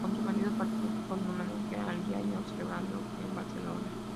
Con su marido, participó en un homenaje al "giallo" celebrado en Barcelona.